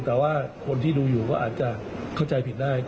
แต่ว่าคนที่ดูอยู่ก็อาจจะเข้าใจผิดได้